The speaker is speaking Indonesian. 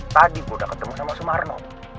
tadi bu udah ketemu sama sumarno